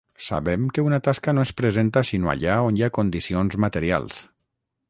Sabem que una tasca no es presenta sinó allà on hi ha condicions materials.